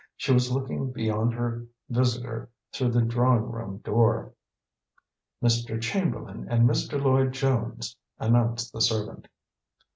She was looking beyond her visitor through the drawing room door. "Mr. Chamberlain and Mr. Lloyd Jones," announced the servant.